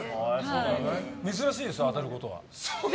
珍しいです、当たることは。